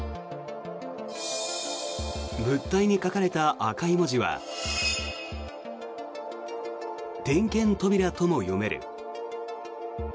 物体に書かれた赤い文字は点検扉とも読める。